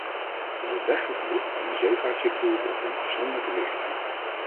Zoals het wegvervoer kan de zeevaart zich beroepen op een afzonderlijke richtlijn.